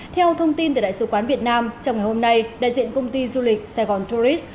theo thông tin từ đại sứ quán việt nam trong ngày hôm nay đại diện công ty du lịch sài gòn tourist